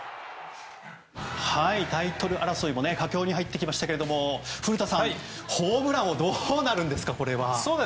タイトル争いも佳境に入ってきましたけども古田さん、ホームラン王どうなるんですか、これは。